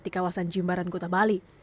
di kawasan jimbaran kota bali